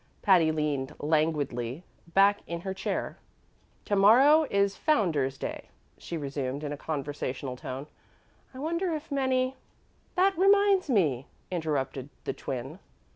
Patty leaned languidly back in her chair. "To morrow is Founder's Day," she resumed in a conversational tone. "I wonder if many " "That reminds me," interrupted the Twin.